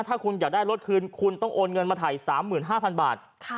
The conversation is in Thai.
ถ้าคุณอยากได้รถคืนคุณต้องโอนเงินมาถ่าย๓๕๐๐บาท